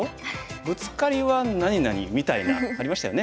ブツカリは何々みたいなありましたよね。